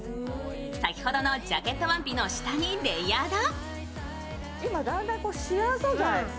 先ほどのジャケットワンピの下にレイヤード。